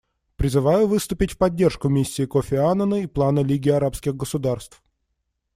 Призываю выступить в поддержку миссии Кофи Аннана и плана Лиги арабских государств.